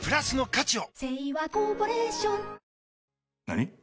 何？